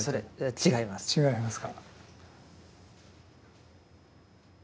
違いますか。